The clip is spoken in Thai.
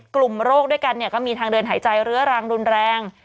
กลุ่มโรคด้วยกันก็มีทางเดินหายใจเรื้อรังรุนแรง